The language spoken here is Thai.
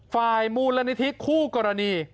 ไฟล์มูลเรนิทธิคู่กรณี